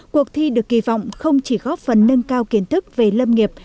cuộc thi được kỳ vọng không chỉ góp phần nâng cao kiến thức về lâm nghiệp